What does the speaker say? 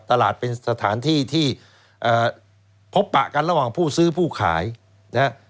ตลาดเป็นสถานที่ที่พบปะกันระหว่างผู้ซื้อผู้ขายนะฮะ